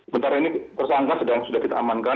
bentar ini tersangka sedang sudah kita amankan